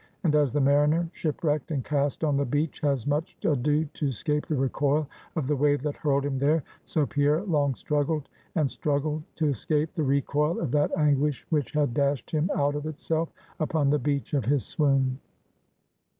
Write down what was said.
And as the mariner, shipwrecked and cast on the beach, has much ado to escape the recoil of the wave that hurled him there; so Pierre long struggled, and struggled, to escape the recoil of that anguish, which had dashed him out of itself, upon the beach of his swoon.